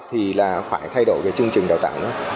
thì là phải thay đổi về chương trình đào tạo nữa